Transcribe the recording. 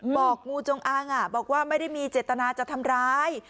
บอกงูจงอังบอกว่าไม่ได้มีเจตนาจะทำร้าย